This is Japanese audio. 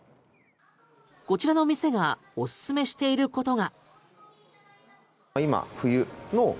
こちらのお店がおすすめしていることが。